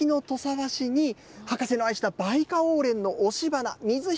和紙に、博士の愛したバイカオウレンの押し花、水引